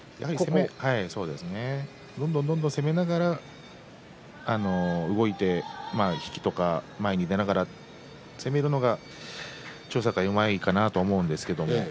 どんどんどんどん攻めながら動いて引きとか前に出ながら攻めるのが千代栄はうまいかなと思うんですけれど。